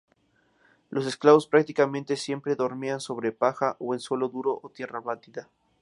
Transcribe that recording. Los esclavos prácticamente siempre dormían sobre paja o en suelo duro de tierra batida.